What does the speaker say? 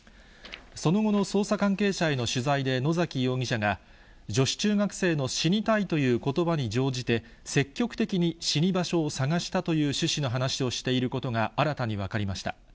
その後の捜査関係者への取材で、野崎容疑者が、女子中学生の死にたいということばに乗じて、積極的に死に場所を探したという趣旨の話をしていることが新たに分かりました。